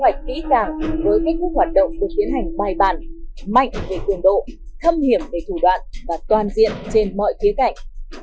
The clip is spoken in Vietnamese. kế hoạch kỹ càng với kết thúc hoạt động được tiến hành bài bản mạnh về quyền độ thâm hiểm về thủ đoạn và toàn diện trên mọi khía cạnh